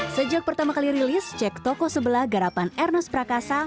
sejak pertama kali rilis cek toko sebelah garapan ernest prakasa